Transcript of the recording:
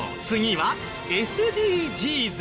次はＳＤＧｓ。